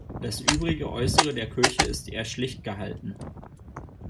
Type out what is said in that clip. Das übrige Äußere der Kirche ist eher schlicht gehalten.